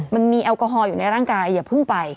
มันมีแอลกอฮอลอยู่ในร่างกายอย่าเพิ่งไป